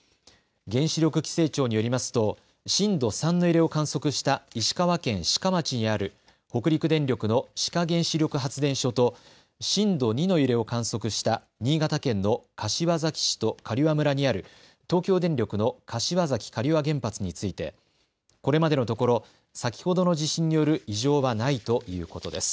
原子力規制庁によりますと震度３の揺れを観測した石川県志賀町にある北陸電力の志賀原子力発電所と震度２の揺れを観測した新潟県の柏崎市と刈羽村にある東京電力の柏崎刈羽原発についてこれまでのところ先ほどの地震による異常はないということです。